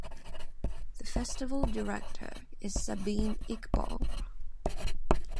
The Festival Director is Sabin Iqbal.